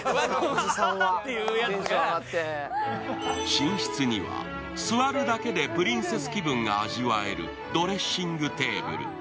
寝室には、座るだけでプリンセス気分が味わえるドレッシングテーブル。